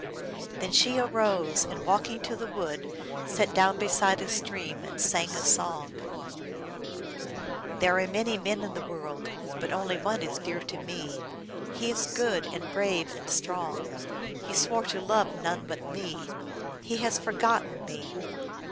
Then she arose, and, walking to the wood, sat down beside a stream and sang a song :" There are many men in the world, But only one is dear to me. He is good and brave and strong. He swore to love none but me ; He has forgotten me.